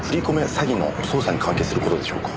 詐欺の捜査に関係する事でしょうか？